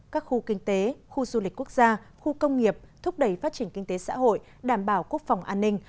các khu kinh tế khu du lịch quốc gia khu công nghiệp thúc đẩy phát triển kinh tế xã hội đảm bảo quốc phòng an ninh